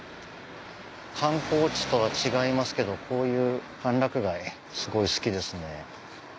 観光地とは違いますけどこういう歓楽街すごい好きですね。